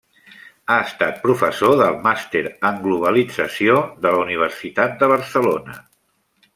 Ha estat professor del màster en globalització de la Universitat de Barcelona.